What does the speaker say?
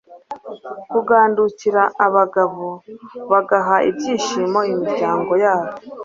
kugandukira abagabo, bagaha ibyishimo imiryango yabo